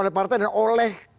oleh partai dan oleh